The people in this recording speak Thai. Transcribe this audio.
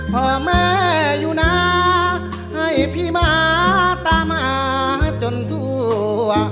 พอแม่อยู่หน้าให้พี่มาตามมาจนตัว